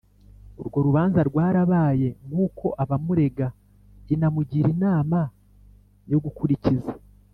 urwo rubanza rwarabaye nk uko abamurega inamugira inama yo gukurikiza